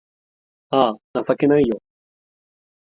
あぁ、情けないよ